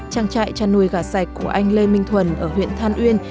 trang trại chăn nuôi gà sạch của anh lê minh thuần ở huyện than uyên